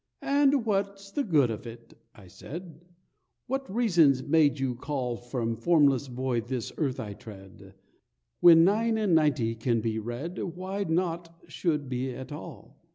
"And what's the good of it?" I said, "What reasons made You call From formless void this earth I tread, When nine and ninety can be read Why nought should be at all?